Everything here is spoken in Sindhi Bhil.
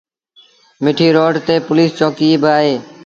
مٺيٚ روڊ تي پوُليٚس چوڪيٚ با اهي۔